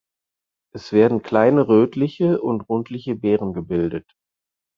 Es werden kleine rötliche und rundliche Beeren gebildet.